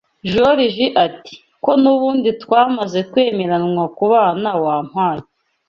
Joriji ati ko nubundi twamaze kwemeranywa kubana wampaye